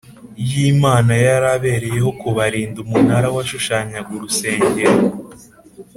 y’imana yari abereyeho kubarinda umunara washushanyaga urusengero